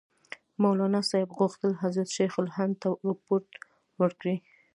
مولناصاحب غوښتل حضرت شیخ الهند ته رپوټ ورکړي.